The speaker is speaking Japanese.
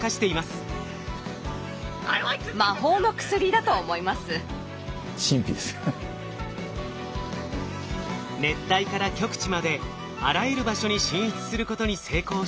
熱帯から極地まであらゆる場所に進出することに成功した哺乳類。